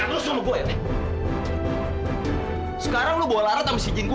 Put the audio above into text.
lu gak bisa gue pergi dia begitu aja tambah si jin gua